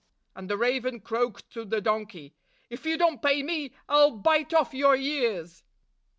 And the raven croaked to the donkey, "If you don't pay me, I 'll bite off your ears!